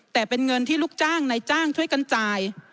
แต่เป็นเงินที่ลูกจ้างในจ้างช่วยกันจ่าย